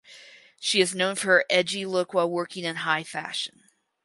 She is known for her "edgy" look while working in high fashion.